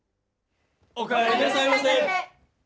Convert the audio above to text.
お帰りなさいませ！